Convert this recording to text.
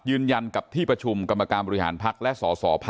ยืนยันกับที่ประชุมกบริหารภักร์และศศภ